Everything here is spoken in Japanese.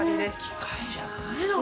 機械じゃないの？